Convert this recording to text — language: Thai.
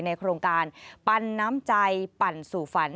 โครงการปั่นน้ำใจปั่นสู่ฝัน